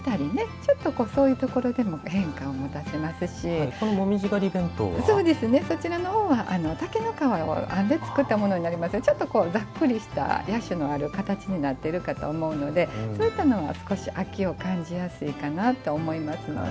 ちょっと、そういうところで変化をもたせますしお弁当箱は竹の皮を編んで作ったものになりまして野趣のある形になっているかと思うので、そういったほうが秋を感じやすいかなと思います。